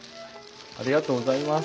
ありがとうございます。